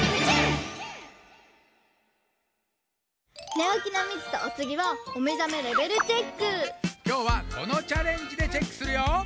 ねおきのミチとおつぎはきょうはこのチャレンジでチェックするよ！